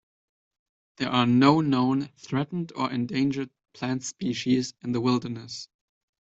There are no known threatened or endangered plant species in the wilderness.